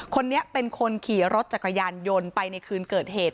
คนนี้เป็นคนขี่รถจักรยานยนต์ไปในคืนเกิดเหตุ